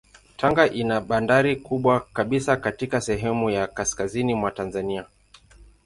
Tanga ina bandari kubwa kabisa katika sehemu ya kaskazini mwa Tanzania.